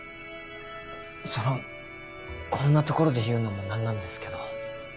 そのこんな所で言うのも何なんですけど。